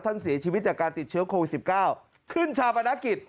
เสียชีวิตจากการติดเชื้อโควิด๑๙ขึ้นชาปนกิจ